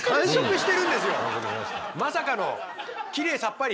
まさかのきれいさっぱり！